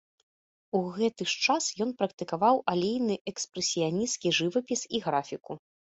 У гэты ж час ён практыкаваў алейны экспрэсіянісцкі жывапіс і графіку.